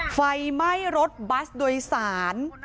ไฟไหม้รถบัสโดยสาร